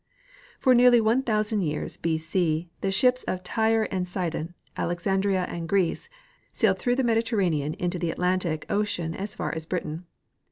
FiDr nearly one thousand years B C the shij^s of TyxQ and Sidon, Alexandria and Greece, sailed through the Mediterranean into the Atlantic ocean as far as Britain.